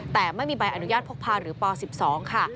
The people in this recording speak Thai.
แต่ไม่มีใบอนุญาตพกพาหรือป๑๒ค่ะ